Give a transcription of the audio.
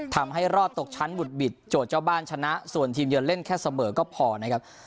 ทำให้รอดตกชั้นบุดบิดโจทย์เจ้าบ้านชนะส่วนทีมเยือนเล่นแค่เสมอก็พอนะครับ